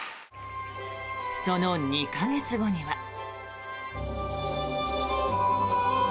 その２か月後には。